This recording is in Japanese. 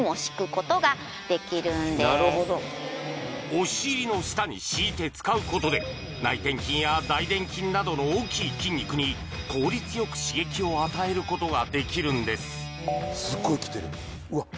お尻の下に敷いて使うことで内転筋や大殿筋などの大きい筋肉に効率よく刺激を与えることができるんですすっごいきてるうわっ